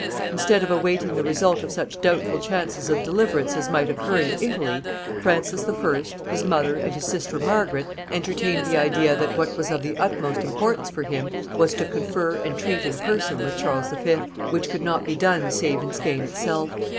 Instead of awaiting the result of such doubtful chances of deliverance as might occur in Italy, Francis I., his mother, and his sister Margaret, entertained the idea that what was of the utmost importance for him was to confer and treat in person with Charles V., which could not be done save in Spain itself.